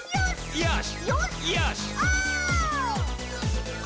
よし！